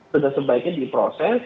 sudah sebaiknya diproses